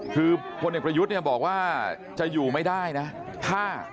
คือคนเด็กประยุฒิบอกว่าจะอยู่ไม่ได้นะถ้า